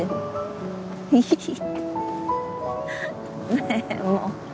ねえもう。